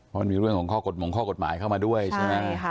เพราะมีเรื่องของข้อกฎหมายเข้ามาด้วยใช่ไหม